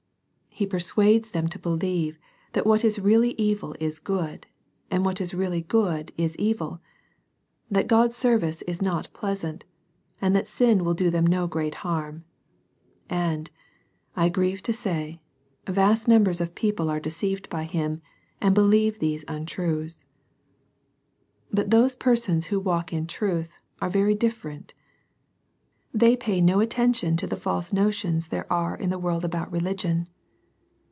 He persuades them to believe that what is really evil is good, and what is really good is evil, — that God's service is not pleasant, — ^and that sin will do them no great harm. And, I grieve to say, vast numbers of people are deceived by him, and believe these untruths. But those persons who walk in truth are very different. They pay no attention to the false notions there are in the world about religion.